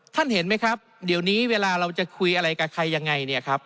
เห็นไหมครับเดี๋ยวนี้เวลาเราจะคุยอะไรกับใครยังไงเนี่ยครับ